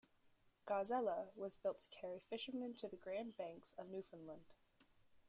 "Gazela" was built to carry fishermen to the Grand Banks of Newfoundland.